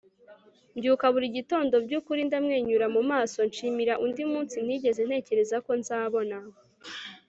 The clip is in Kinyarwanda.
mbyuka buri gitondo byukuri ndamwenyura mu maso, nshimira undi munsi ntigeze ntekereza ko nzabona